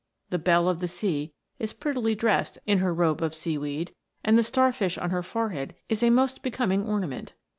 The belle of the sea is prettily dressed in her robe of sea weed, and the star fish on her fore head is a most becoming ornament.